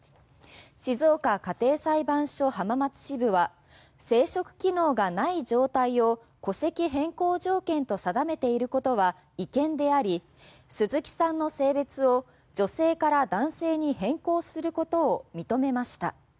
静岡家庭裁判所浜松支部は生殖機能がない状態を戸籍変更条件と定めていることは違憲であり鈴木さんの性別を女性から男性に変更することを認めました。